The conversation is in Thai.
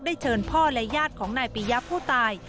เชิญพ่อและญาติของนายปียะผู้ตาย